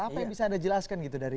apa yang bisa anda jelaskan gitu dari